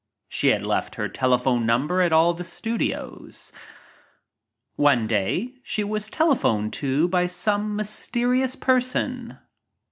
She had left her telephone number at all the studios. One day she was telephoned to by some mysterious person.